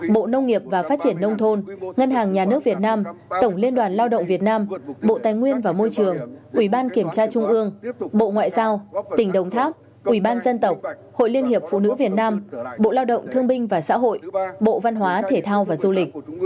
bộ nông nghiệp và phát triển nông thôn ngân hàng nhà nước việt nam tổng liên đoàn lao động việt nam bộ tài nguyên và môi trường ủy ban kiểm tra trung ương bộ ngoại giao tỉnh đồng tháp ủy ban dân tộc hội liên hiệp phụ nữ việt nam bộ lao động thương binh và xã hội bộ văn hóa thể thao và du lịch